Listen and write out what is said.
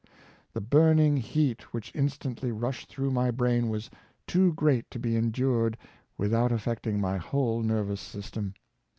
The burning heat which in stantly rushed through my brain was too great to be endured without affecting my whole nervous system.